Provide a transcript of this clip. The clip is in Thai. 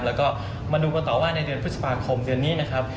แล้วก็มาดูกันต่อว่าในเดือนพฤษภาคมเดือนนี้นะครับ